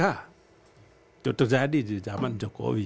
itu terjadi di zaman jokowi